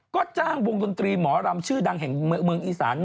ก็จ้างวงดนตรีหมอรำชื่อดังแห่งเมืองอีสาน